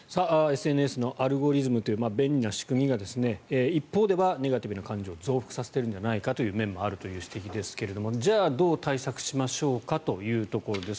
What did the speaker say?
ＳＮＳのアルゴリズムという便利な仕組みが一方ではネガティブな感情を増幅させているのではないかという面もあるという指摘ですがじゃあ、どう対策しましょうかというところです。